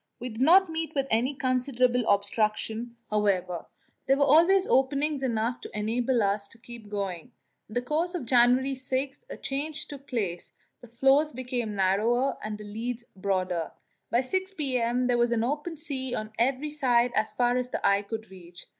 We did not meet with any considerable obstruction, however; there were always openings enough to enable us to keep going. In the course of January 6 a change took place, the floes became narrower and the leads broader. By 6 p.m. there was open sea on every side as far as the eye could reach.